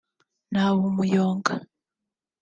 Naba Umuyonga